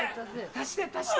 足して足して。